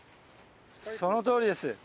そのとおりです。